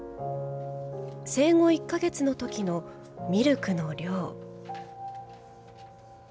生後１か月のときのミルクの量。